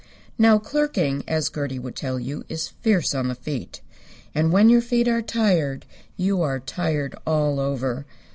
Now clerking, as Gertie would tell you, is fierce on the feet. And when your feet are tired you are tired all over.